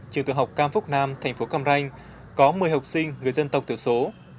trường tự học cam phúc nam thành phố cam ranh có một mươi học sinh người dân tộc tiểu số